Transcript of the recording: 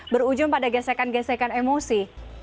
berujung pada gesekan gesekan emosi